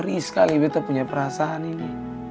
perih sekali beta punya perasaan ini